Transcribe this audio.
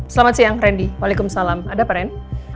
selamat siang randy waalaikumsalam ada apa ren